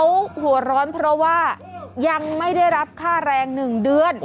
เขาหัวร้อนเพราะว่ายังไม่ได้รับค่าแรง๑เดือน